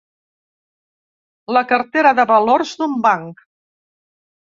La cartera de valors d'un banc.